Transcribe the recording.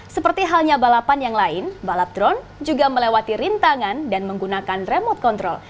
seperti halnya balapan yang lain balap drone juga melewati rintangan dan menggunakan remote control